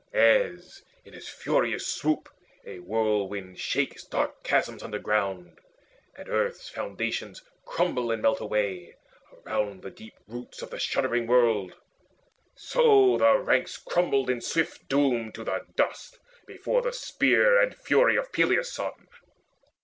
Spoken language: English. As in its furious swoop A whirlwind shakes dark chasms underground, And earth's foundations crumble and melt away Around the deep roots of the shuddering world, So the ranks crumbled in swift doom to the dust Before the spear and fury of Peleus's son.